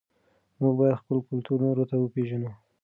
موږ باید خپل کلتور نورو ته وپېژنو.